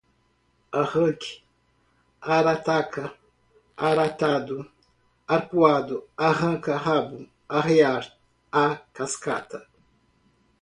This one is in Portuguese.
araque, arataca, aratado, arpuado, arranca rabo, arrear a cascata